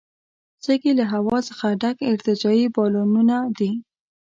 سږي له هوا څخه ډک ارتجاعي بالونونه دي.